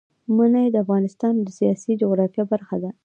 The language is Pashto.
منی د افغانستان د سیاسي جغرافیه برخه ده.